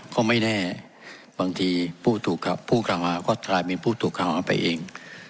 ก็ไม่แน่บางทีพูดถูกครับพูดคำหาก็ทรายเป็นพูดถูกคำไปเอง